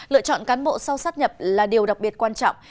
lựa chọn cán bộ sau sát nhập là điều đặc biệt quan trọng